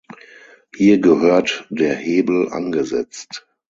Hier gehört der Hebel angesetzt.